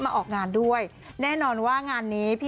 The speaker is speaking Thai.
ออกงานด้วยแน่นอนว่างานนี้พี่